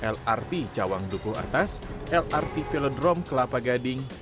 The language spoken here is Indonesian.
lrp cawang duku atas lrp velodrom kelapa gading